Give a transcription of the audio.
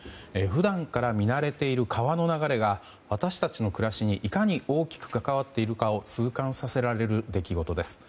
普段から見慣れている川の流れが私たちの暮らしにいかに大きく関わっているかを痛感させられる出来事です。